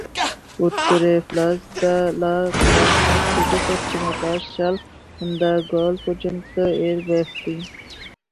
উত্তরে Place de la Concorde থেকে পশ্চিমে প্লাস শার্ল দ্য গল পর্যন্ত এর ব্যাপ্তি।